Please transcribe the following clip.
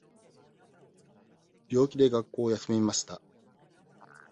病気で学校を休みました。